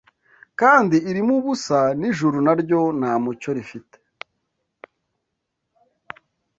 kandi irimo ubusa n’ijuru na ryo nta mucyo rifite.